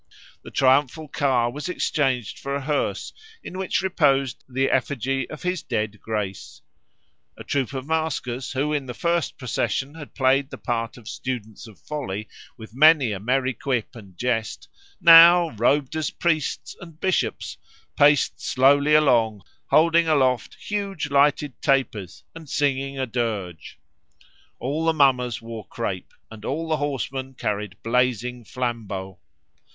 The triumphal car was exchanged for a hearse, in which reposed the effigy of his dead Grace: a troop of maskers, who in the first procession had played the part of Students of Folly with many a merry quip and jest, now, robed as priests and bishops, paced slowly along holding aloft huge lighted tapers and singing a dirge. All the mummers wore crape, and all the horsemen carried blazing flambeaux.